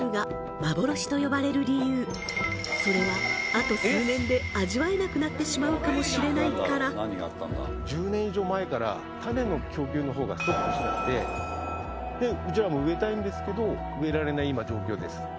それはあと数年で味わえなくなってしまうかもしれないから１０年以上前からでうちらも植えたいんですけど植えられない今状況です